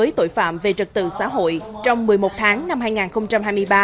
với tội phạm về trật tự xã hội trong một mươi một tháng năm hai nghìn hai mươi ba